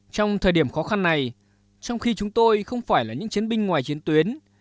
trong thời điểm khó khăn này trong khi chúng tôi không phải là những chiến binh ngoài chiến tuyến